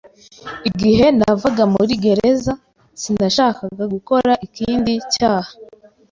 Igihe navaga muri gereza, sinashakaga gukora ikindi cyaha.